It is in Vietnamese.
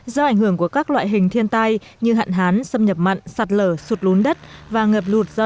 do ảnh hưởng của các loại hình thiên tai như hạn hán xâm nhập mặn sạt lở sụt lún đất và ngập lụt do